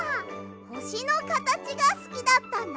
ほしのかたちがすきだったんだね。